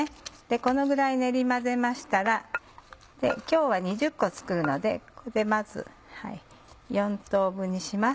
このぐらい練り混ぜましたら今日は２０個作るのでここでまず４等分にします。